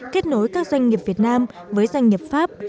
kết nối các doanh nghiệp việt nam với doanh nghiệp pháp